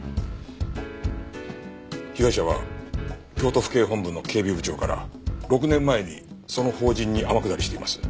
被害者は京都府警本部の警備部長から６年前にその法人に天下りしています。